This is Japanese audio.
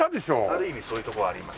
ある意味そういうとこはあります。